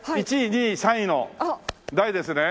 １位２位３位の台ですね。